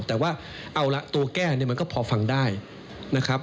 แต่ว่าเอาละตัวแก้เนี่ยมันก็พอฟังได้นะครับ